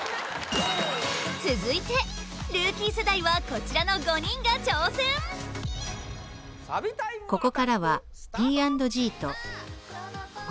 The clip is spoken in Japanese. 続いてルーキー世代はこちらの５人が挑戦風薫る春。